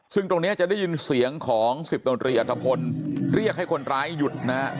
ซึ่งตรงนี้จะได้ยินเสียงของ๑๐ตำรวจรีอัฐพลเรียกให้คนร้ายหยุดนะฮะ